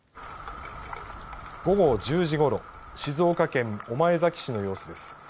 午後１０時ごろ静岡県御前崎市の様子です。